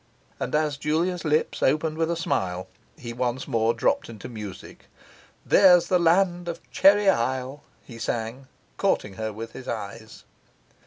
And as Julia's lips opened with a smile, he once more dropped into music. 'There's the Land of Cherry Isle!' he sang, courting her with his eyes.